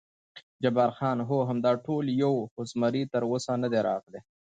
جبار خان: هو، همدا ټول یو، خو زمري تراوسه نه دی راغلی.